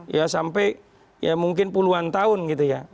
ya sampai ya mungkin puluhan tahun gitu ya